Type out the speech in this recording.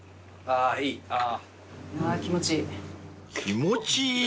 あぁ気持ちいい。